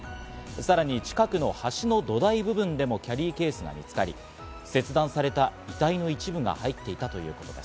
さらに近くの橋の土台部分でもキャリーケースが見つかり、切断された遺体の一部が入っていたということです。